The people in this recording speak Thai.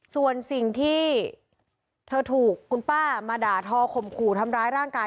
ส่วนสิ่งที่เธอถูกคุณป้ามาด่าทอข่มขู่ทำร้ายร่างกาย